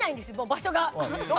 場所が。